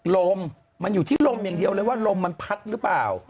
ลมมันอยู่ที่ลมอย่างเดียวเลยว่าลมมันพัดหรือเปล่า